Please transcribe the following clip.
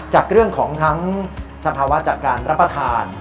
จากเรื่องของทั้งสภาวะจากการรับประทาน